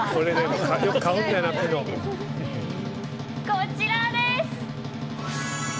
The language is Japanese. こちらです。